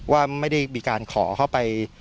ว่าไม่ได้มีการขอเข้าไป